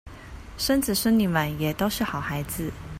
孫子孫女們也都是好孩子